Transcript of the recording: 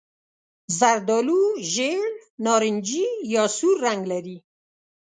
زردالو ژېړ نارنجي یا سور رنګ لري.